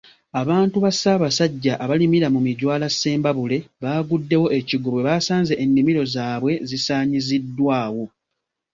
Abantu ba Ssaabasajja abalimira mu Mijwala Ssembabule, baaguddewo ekigwo bwe baasanze ennimiro zaabwe zisaanyiziddwawo.